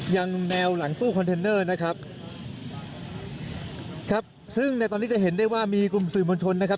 ยังแนวหลังตู้คอนเทนเนอร์นะครับครับซึ่งในตอนนี้จะเห็นได้ว่ามีกลุ่มสื่อมวลชนนะครับ